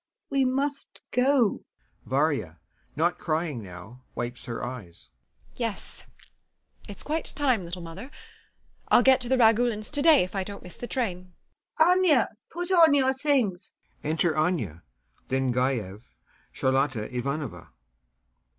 We must go. VARYA. [Not crying now, wipes her eyes] Yes, it's quite time, little mother. I'll get to the Ragulins to day, if I don't miss the train.... LUBOV. [At the door] Anya, put on your things. [Enter ANYA, then GAEV, CHARLOTTA IVANOVNA.